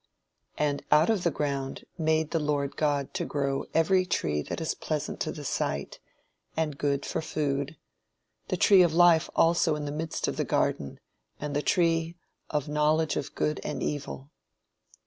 "And out of the ground made the Lord God to grow every tree that is pleasant to the sight, and good for food; the tree of life also in the midst of the garden, and the tree of knowledge of good and evil.